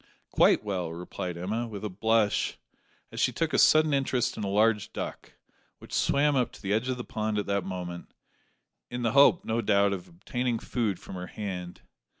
"Quite well," replied Emma, with a blush, as she took a sudden interest in a large duck, which swam up to the edge of the pond at that moment, in the hope, no doubt, of obtaining food from her hand.